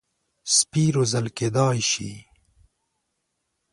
سپي روزل کېدای شي.